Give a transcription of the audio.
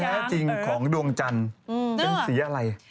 แท้จริงของดวงจันทร์เป็นสีอะไร